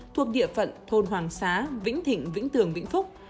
thuộc địa phận thôn hoàng xá vĩnh thịnh vĩnh tường vĩnh phúc